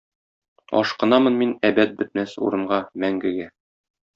Ашкынамын мин әбәд бетмәс урынга, мәңгегә